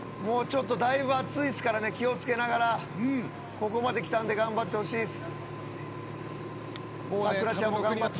だいぶ暑いですから気を付けながらここまで来たので頑張ってほしいです。